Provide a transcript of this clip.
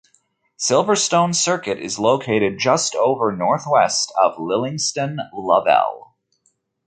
Silverstone Circuit is located just over north-west of Lillingstone Lovell.